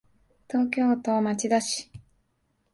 東京都町田市